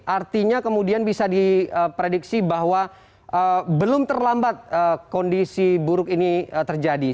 artinya kemudian bisa diprediksi bahwa belum terlambat kondisi buruk ini terjadi